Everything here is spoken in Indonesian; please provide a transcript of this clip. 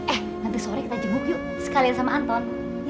eh nanti sore kita jenguk yuk sekalian sama anton